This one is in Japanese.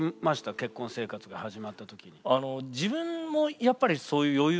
結婚生活が始まった時に。